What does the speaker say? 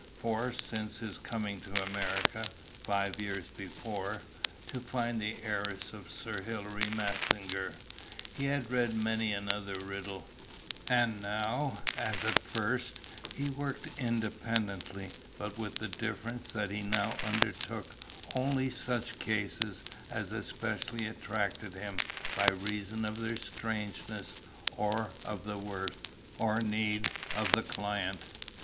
For, since his coming to America, five years before, to find the heiress of Sir Hillary Massinger, he had read many another riddle, and now, as at first, he worked independently, but with the difference that he now undertook only such cases as especially attracted him by reason of their strangeness, or of the worth, or need, of the client.